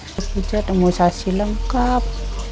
dipijat emosasi lengkap